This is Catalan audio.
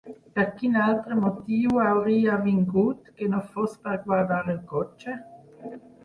Per quin altre motiu hauria vingut, que no fos per guardar el cotxe?